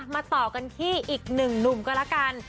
ต่อกันที่อีกหนึ่งหนุ่มก็แล้วกัน